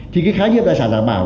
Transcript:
thì cái khái niệm đại sản đảm bảo